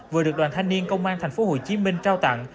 vừa được đoàn thanh niên công an tp hcm trao tặng